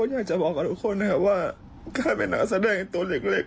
ต้องอยากจะบอกนะทุกคนนะว่าครั้งไปนานแสดงตัวเล็ก